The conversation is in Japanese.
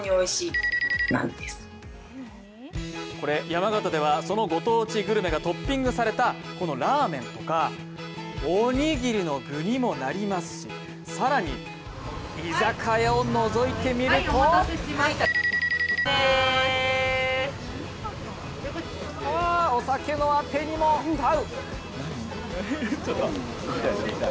山形ではそのご当地グルメがトッピングされたこのラーメンとかおにぎりの具にもなりますし、更に居酒屋をのぞいてみるとお酒のアテにも合う。